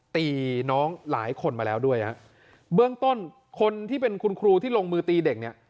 ตีน้องหลายคนมาแล้วด้วยฮะเบื้องต้นคนที่เป็นคุณครูที่ลงมือตีเด็กเนี่ย